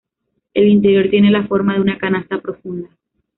El interior tiene la forma de una canasta profunda.